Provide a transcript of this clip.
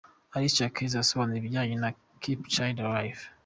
Alicia Keys asobanura ibijyanye na ’’Keep a Child Alive’’:.